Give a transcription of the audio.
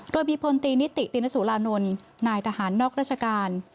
โดยมีพลตีนิติตินสุรานนท์นายทหารนอกราชการ